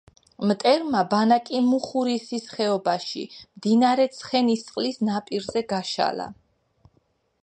მტერმა ბანაკი მუხურისის ხეობაში, მდინარე ცხენისწყლის ნაპირზე გაშალა.